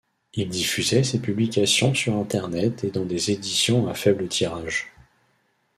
Il diffusait ses publications sur Internet et dans des éditions à faible tirage.